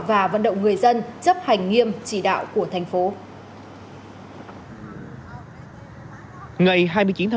và vận động người dân chấp hành nghiêm chỉ đạo của thành phố